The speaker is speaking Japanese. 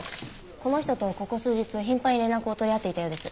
この人とここ数日頻繁に連絡を取り合っていたようです。